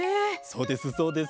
そうですそうです。